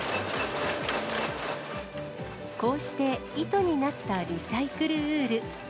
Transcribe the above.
こうして糸になったリサイクルウール。